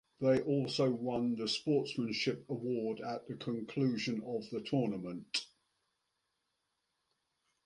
They also won the sportsmanship award at the conclusion of the tournament.